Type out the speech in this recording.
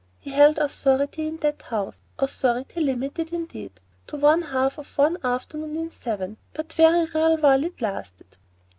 He held authority in that house,—authority limited, indeed, to one half of one afternoon in seven, but very real while it lasted.